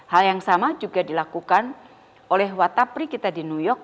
hal yang sama juga dilakukan oleh watapri kita di new york